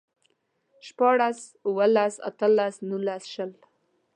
شپاړلس، اوولس، اتلس، نولس، شل